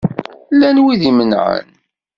Llan wid imenεen?